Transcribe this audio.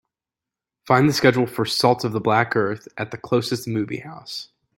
Find the schedule for Salt of the Black Earth at the closest movie house.